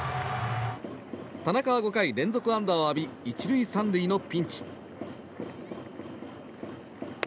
田中は５回、連続安打を浴び１塁３塁のピンチ。